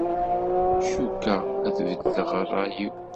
Ckukkeɣ ad beddleɣ rray-iw.